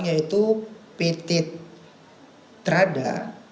yaitu pt trada